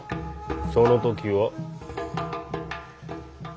その時は。